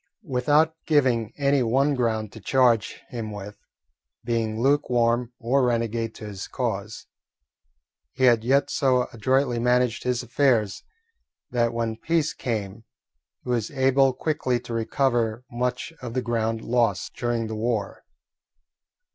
Without giving any one ground to charge him with being lukewarm or renegade to his cause, he had yet so adroitly managed his affairs that when peace came he was able quickly to recover much of the ground lost during the war.